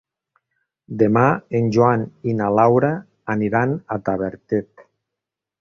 Demà en Joan i na Laura aniran a Tavertet.